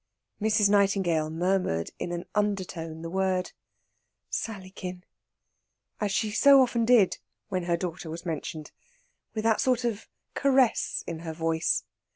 Mrs. Nightingale murmured in an undertone the word "Sallykin," as she so often did when her daughter was mentioned, with that sort of caress in her voice.